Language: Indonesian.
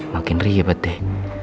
makin ribet deh